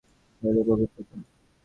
যোগসিদ্ধির একটি অন্যতম শর্ত হইল পবিত্রতা।